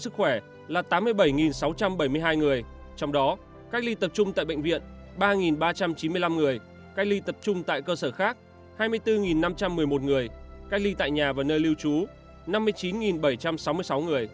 sức khỏe là tám mươi bảy sáu trăm bảy mươi hai người trong đó cách ly tập trung tại bệnh viện ba ba trăm chín mươi năm người cách ly tập trung tại cơ sở khác hai mươi bốn năm trăm một mươi một người cách ly tại nhà và nơi lưu trú năm mươi chín bảy trăm sáu mươi sáu người